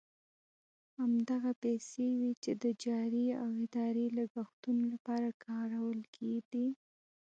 همدغه پیسې وې چې د جاري او اداري لګښتونو لپاره کارول کېدې.